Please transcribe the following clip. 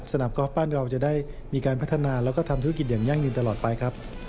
กอล์ฟบ้านเราจะได้มีการพัฒนาแล้วก็ทำธุรกิจอย่างยั่งยืนตลอดไปครับ